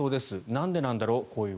なんでなんだろう。